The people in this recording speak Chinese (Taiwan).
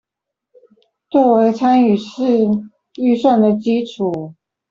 作為參與式預算的基礎